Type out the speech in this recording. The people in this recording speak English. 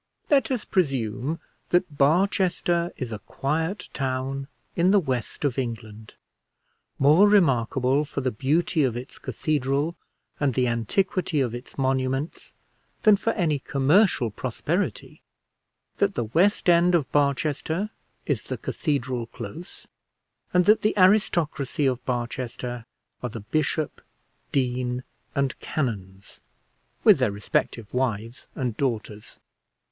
Let us presume that Barchester is a quiet town in the West of England, more remarkable for the beauty of its cathedral and the antiquity of its monuments than for any commercial prosperity; that the west end of Barchester is the cathedral close, and that the aristocracy of Barchester are the bishop, dean, and canons, with their respective wives and daughters.